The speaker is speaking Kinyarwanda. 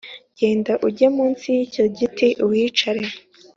Genda uge munsi y’icyo giti, uhicare.